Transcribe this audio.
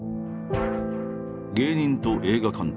芸人と映画監督。